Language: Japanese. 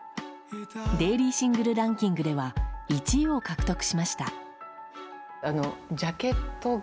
デイリーシングルランキングでは１位を獲得しました。